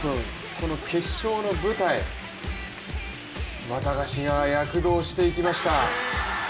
この決勝の舞台ワタガシが躍動していきました。